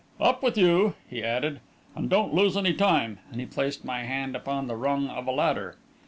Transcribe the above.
"Up with, you," he added; "and don't lose any time," and he placed my hand upon the rung of a ladder.